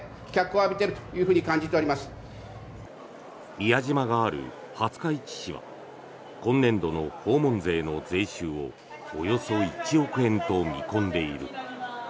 宮島がある廿日市市は今年度の訪問税の税収をおよそ１億円と見込んでいる。